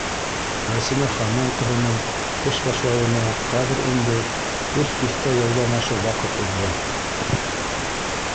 Вәсимә Ханнан ҡыҙының эш башлауына хәҙер инде өс тиҫтә йылдан ашыу ваҡыт уҙҙы.